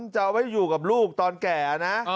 จะเอาไว้อยู่กับลูกตอนแก่นะ